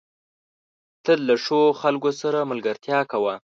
تل له ښو خلکو سره ملګرتيا کوه.